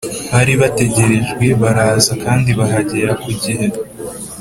bari bategerejwe, baraza kandi bahagera ku gihe